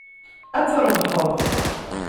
Ad trebḥeḍ.